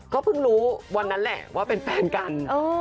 ก็เพิ่งรู้วันนั้นแหละว่าเป็นแฟนกัน